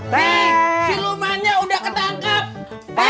nih silumannya udah ketangkep